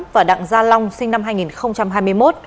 và đặng gia long sinh năm hai nghìn hai mươi một